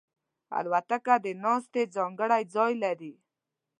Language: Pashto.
الوتکه د ناستې ځانګړی ځای لري.